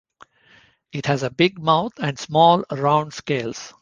It has a big mouth and small round scales.